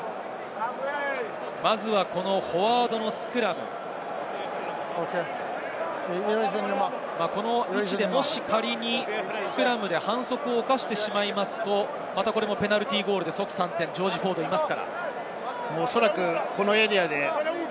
まずはフォワードのスクラム、この位置でもし仮にスクラムで、反則を犯してしまいますと、ペナルティーゴールで即３点、ジョージ・フォードがいます。